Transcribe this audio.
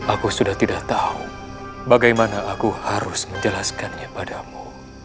aku sudah tidak tahu bagaimana aku harus menjelaskannya padamu